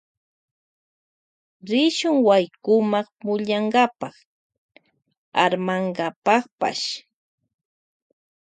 Rishun waykuma pukllankapa armankapapash.